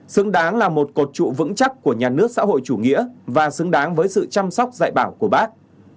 xứng đáng là một cột trụ vững chắc của nhà nước xã hội chủ nghĩa và xứng đáng với sự chăm sóc dạy bảo của bác